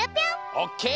オッケー！